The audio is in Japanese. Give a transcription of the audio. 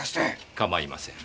構いません。